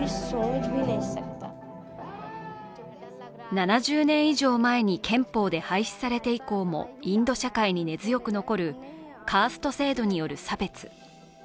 ７０年以上前に憲法で廃止されて以降もインド社会に根強く残るカースト制度による差別。